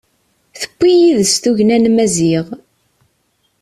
Tewwi yid-s tugna n Maziɣ.